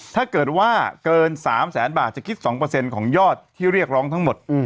ถ้าเกิดว่าเกิน๓แสนบาทจะคิด๒ของยอดที่เรียกร้องทั้งหมด